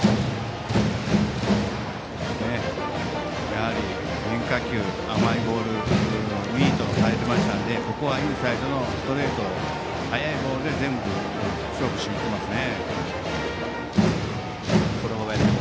やはり変化球甘いボールをミートされましたのでここはインサイドのストレート速いボールで全部勝負していっていますね。